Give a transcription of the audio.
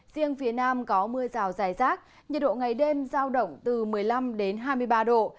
riêng phía nam có mưa rào dài rác nhiệt độ ngày đêm giao động từ một mươi năm đến hai mươi ba độ